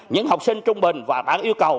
những học sinh trung bình và bạn yêu cầu